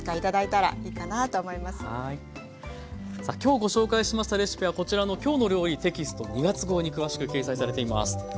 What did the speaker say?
さあ今日ご紹介しましたレシピはこちらの「きょうの料理」テキスト２月号に詳しく掲載されています。